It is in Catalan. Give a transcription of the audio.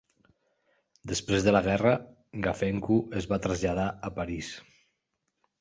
Després de la guerra, Gafencu es va traslladar a París.